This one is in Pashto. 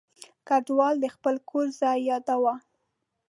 کډوال د خپل کور ځای یاداوه.